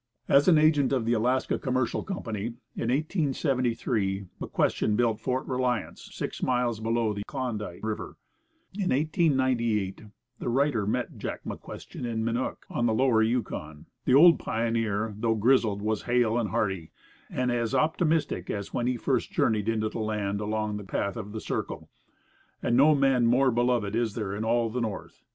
As an agent of the Alaska Commercial Company, in 1873, McQuestion built Fort Reliance, six miles below the Klondike River. In 1898 the writer met Jack McQuestion at Minook, on the Lower Yukon. The old pioneer, though grizzled, was hale and hearty, and as optimistic as when he first journeyed into the land along the path of the Circle. And no man more beloved is there in all the North.